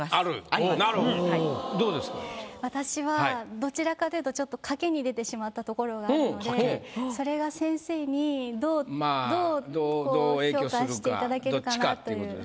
私はどちらかというとちょっと賭けに出てしまった所があるのでそれが先生にどうどう評価していただけるかなという。